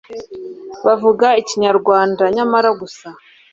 bavuga Ikinyarwanda nyamara gusa